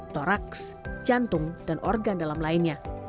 toraks jantung dan organ dalam lainnya